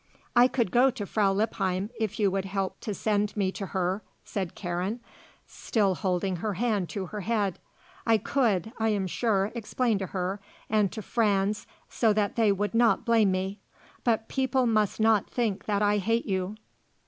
"I could go to Frau Lippheim, if you would help to send me to her," said Karen, still holding her hand to her head; "I could, I am sure, explain to her and to Franz so that they would not blame me. But people must not think that I hate you."